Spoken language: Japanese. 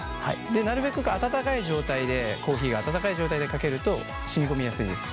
なるべくコーヒーが温かい状態でかけると染み込みやすいです。